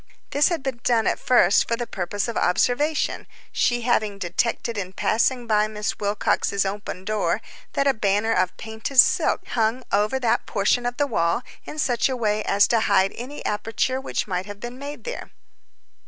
This had been done at first for the purpose of observation, she having detected in passing by Miss Wilcox's open door that a banner of painted silk hung over that portion of the wall in such a way as to hide any aperture which might be made there.